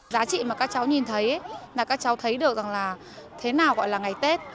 giá trị mà các cháu nhìn thấy là các cháu thấy được rằng là thế nào gọi là ngày tết